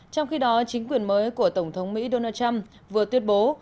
trong khi đó chính quyền mới của tổng thống mỹ donald trump vừa tuyên bố